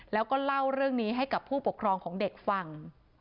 แล้วก็เล่าเรื่องนี้ให้กับผู้ปกครองของเด็กฟัง